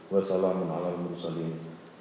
wassalamu'alaikum warahmatullahi wabarakatuh